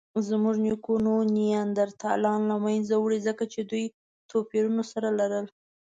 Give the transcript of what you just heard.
زموږ نیکونو نیاندرتالان له منځه وړي؛ ځکه چې دوی توپیرونه سره لرل.